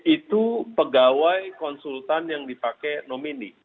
itu pegawai konsultan yang dipakai nomini